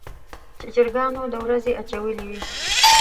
چې چرګانو د ورځې اچولې وي.